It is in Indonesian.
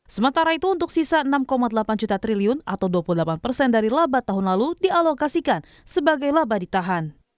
sementara itu untuk sisa enam delapan juta triliun atau dua puluh delapan persen dari laba tahun lalu dialokasikan sebagai laba ditahan